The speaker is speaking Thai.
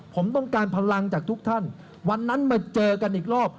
ผมต้องการพลังจากทุกท่านวันนั้นมาเจอกันอีกรอบ